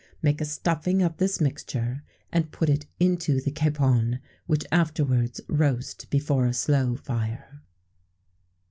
Make a stuffing of this mixture, and put it into the capon, which afterwards roast before a slow fire.